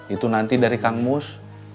itu nanti dari kang mus